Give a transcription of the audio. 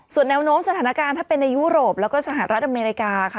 แนวโน้มสถานการณ์ถ้าเป็นในยุโรปแล้วก็สหรัฐอเมริกาค่ะ